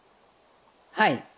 はい。